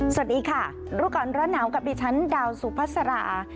สวัสดีค่ะรู้ก่อนร้อนหนาวกับดิฉันดาวสุพัสรา